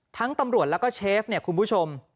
ทั้งตำรวจแล้วก็เชฟคุณผู้ชม